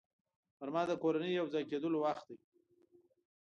غرمه د کورنۍ یو ځای کېدلو وخت دی